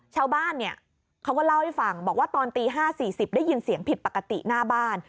ชาวบ้านเนี่ยเขาก็เล่าให้ฟังบอกว่าตอนตี๕๔๐ได้ยินเสียงผิดปกติหน้าบ้าน